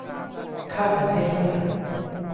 เข้ากรุงเทพเมื่อไหร่